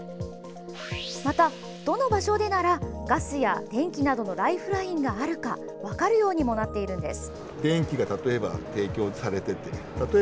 また、どの場所でならガスや電気などのライフラインがあるか分かるようにもなっているんです。